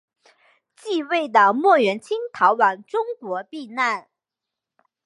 继位的莫元清逃往中国避难。